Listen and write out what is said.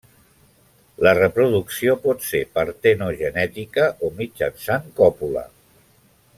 La reproducció pot ser partenogenètica o mitjançant còpula.